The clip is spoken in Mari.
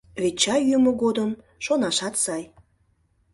Вет чай йӱмӧ годым шонашат сай.